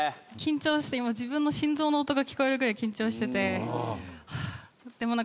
緊張して今自分の心臓の音が聞こえるぐらい緊張してて。